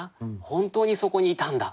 本当にそこにいたんだ